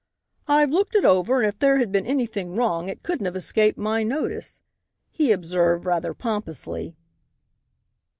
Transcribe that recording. "I've looked it over and if there had been anything wrong it couldn't have escaped my notice," he observed rather pompously.